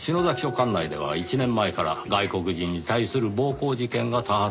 管内では１年前から外国人に対する暴行事件が多発しています。